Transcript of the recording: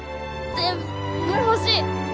全部欲しい。